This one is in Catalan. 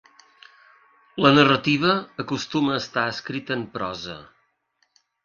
La narrativa acostuma a estar escrita en prosa.